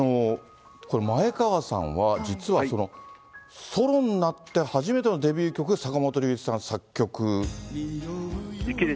これ、前川さんは実はソロになって初めてのデビュー曲が坂本龍一さん作曲？